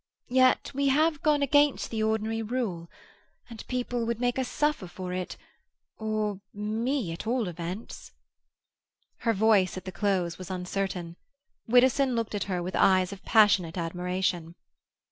Yet we have gone against the ordinary rule, and people would make us suffer for it—or me, at all events. Her voice at the close was uncertain. Widdowson looked at her with eyes of passionate admiration.